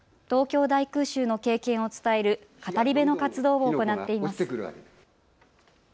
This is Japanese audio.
東京大空襲の経験を伝える語り部の活動を行っています。